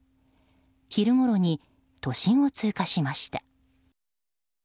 昼ごろに都心を通過しました。